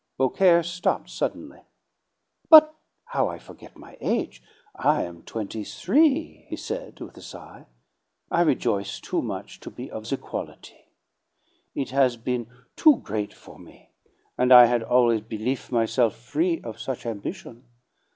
Beaucaire stopped suddenly. "But how I forget my age! I am twenty three," he said, with a sigh. "I rejoice too much to be of the quality. It has been too great for me, and I had always belief' myself free of such ambition.